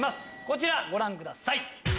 こちらご覧ください。